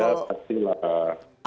ya pasti lah